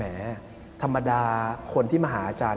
ธรรมดาคนที่มาหาอาจารย์